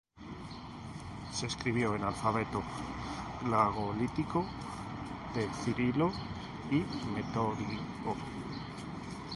Se escribió en alfabeto glagolítico de Cirilo y Metodio.